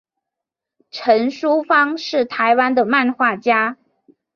陈淑芬是台湾的漫画家。